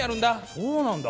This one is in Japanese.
そうなんだ？